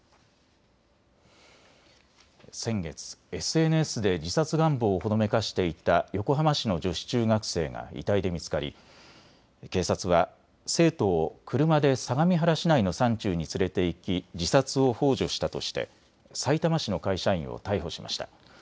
先月、ＳＮＳで自殺願望をほのめかしていた横浜市の女子中学生が遺体で見つかり警察は生徒を車で相模原市内の山中に連れて行き自殺をほう助したとしてさいたま市の会社員を逮捕しました。